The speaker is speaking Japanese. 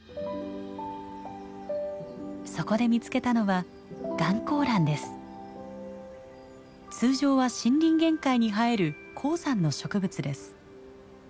そこで見つけたのは通常は森林限界に生える高山の植物です。